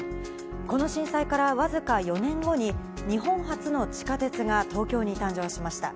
この震災から僅か４年後に、日本初の地下鉄が東京に誕生しました。